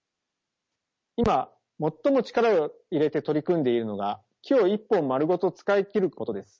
今最も力を入れて取り組んでいるのが木を１本まるごと使い切ることです。